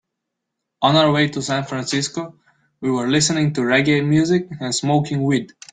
On our way to San Francisco, we were listening to reggae music and smoking weed.